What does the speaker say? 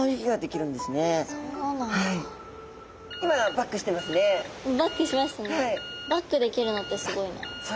バックできるのってすごいな。